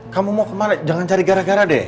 kamu mau kemana jangan cari gara gara deh